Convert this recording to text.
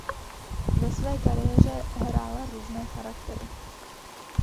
Ve své kariéře hrála různé charaktery.